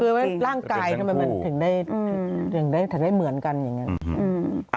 คือร่างกายถึงได้เหมือนกันอย่างนี้